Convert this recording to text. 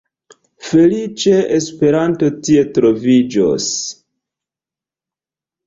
Feliĉe Esperanto tie troviĝos.